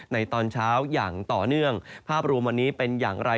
ตอนเช้าอย่างต่อเนื่องภาพรวมวันนี้เป็นอย่างไร